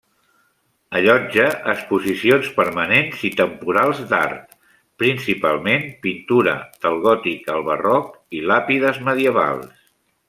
Allotja exposicions permanents i temporals d'art, principalment pintura del gòtic al barroc i làpides medievals.